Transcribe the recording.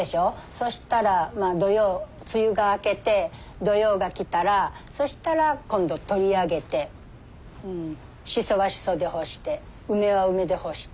そしたら土用梅雨が明けて土用が来たらそしたら今度取り上げてしそはしそで干して梅は梅で干して。